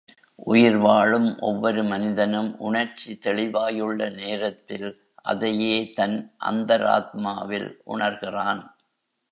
உயிர் வாழும் ஒவ்வொரு மனிதனும், உணர்ச்சி தெளிவாயுள்ள நேரத்தில், அதையே தன் அந்தராத்மாவில் உணர்கிறான்.